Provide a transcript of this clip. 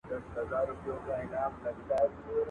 ما پردی ملا لیدلی په محراب کي ځړېدلی.